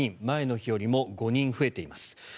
前の日よりも５人増えています。